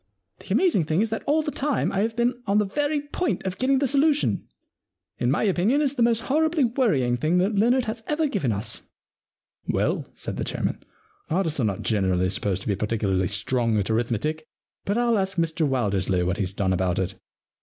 The amazing thing is that all the time I have been on the very point of getting the solution. In my opinion it's the most horribly worrying thing that Leonard has ever given us.' * Well,' said the chairman, * artists are not generally supposed to be particularly 74 The Win and Lose Problem strong at arithmetic, but Fll ask Mr Wil dersley what he's done about it.'